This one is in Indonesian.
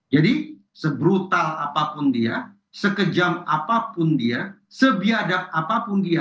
jadi se brutal apapun dia se kejam apapun dia se biadab apapun dia